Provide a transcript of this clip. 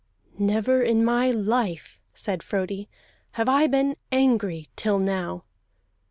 "Never in my life," said Frodi, "have I been angry till now!"